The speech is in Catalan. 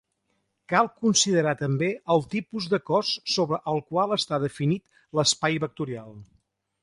Cal considerar també el tipus de cos sobre el qual està definit l'espai vectorial.